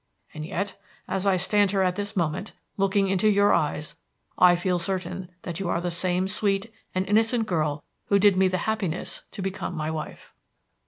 And yet, as I stand here at this moment, looking into your eyes, I feel certain that you are the same sweet and innocent girl who did me the happiness to become my wife."